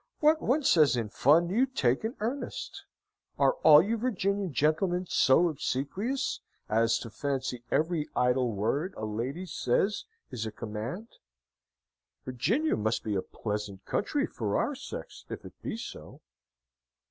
What one says in fun, you take in earnest! Are all you Virginian gentlemen so obsequious as to fancy every idle word a lady says is a command? Virginia must be a pleasant country for our sex if it be so!"